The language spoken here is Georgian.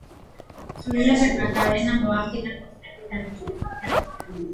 ცვლილებებმა გავლენა მოახდინა პოსტების დანიშვნის უფლებაზე.